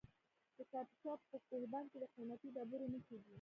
د کاپیسا په کوه بند کې د قیمتي ډبرو نښې دي.